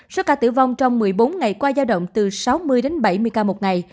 số ca tử vong trong một mươi bốn ngày qua giao động từ sáu mươi đến bảy mươi ca một ngày